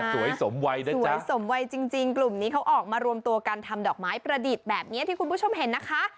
สวยสมวัยนะคะสวยสมวัยจริงกลุ่มนี้เขาออกมารวมตัวกันทำดอกไม้ประดิษฐ์แบบนี้ที่คุณผู้ชมเห็นนะคะ